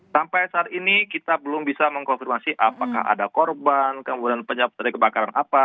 sampai saat ini kita belum bisa mengkonfirmasi apakah ada korban kemudian penyebab dari kebakaran apa